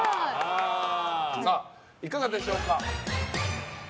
さあ、いかがでしょうか。